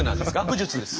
武術です。